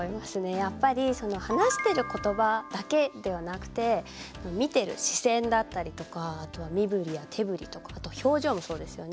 やっぱり話してることばだけではなくて見てる視線だったりとかあとは身ぶりや手ぶりとかあと表情もそうですよね。